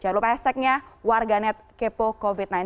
jangan lupa hashtagnya warganet kepo covid sembilan belas